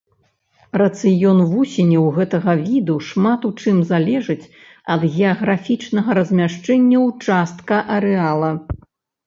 Рацыён вусеняў гэтага віду шмат у чым залежыць ад геаграфічнага размяшчэння ўчастка арэала.